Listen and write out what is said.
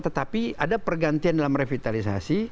tetapi ada pergantian dalam revitalisasi